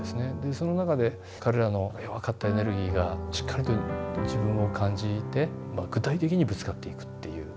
その中で彼らの弱かったエネルギーがしっかりと自分を感じて具体的にぶつかっていくっていう。